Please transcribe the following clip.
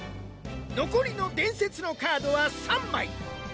残りの伝説のカードは３枚。